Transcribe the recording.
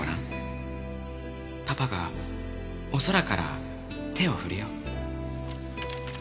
「パパがお空から手を振るよ」